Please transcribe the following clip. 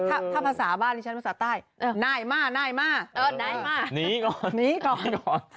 ถ้าภาษาบ้านฉันภาษาใต้น่ายมากน่ายมากน่ายมากหนีก่อนหนีก่อน